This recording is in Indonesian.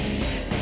eh mbak be